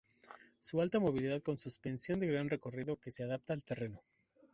Su alta movilidad con suspensión de gran recorrido que se adapta al terreno.